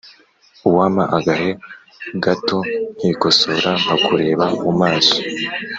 uwampa agahe gatonkikosoran, kakureba mumaso